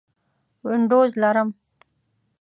وینډوز لرم